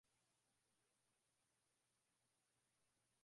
Watu waliobakia hasa hasa ni Wakristo